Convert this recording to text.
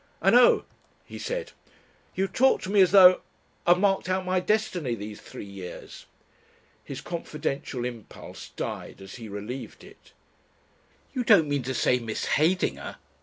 "I know," he said. "You talk to me as though ... I've marked out my destiny these three years." His confidential impulse died as he relieved it. "You don't mean to say Miss Heydinger